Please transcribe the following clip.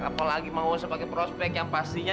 apalagi mau saya pakai prospek yang pastinya